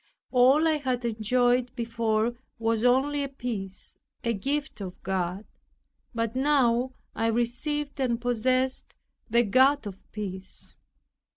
All I had enjoyed before was only a peace, a gift of God, but now I received and possessed the God of peace.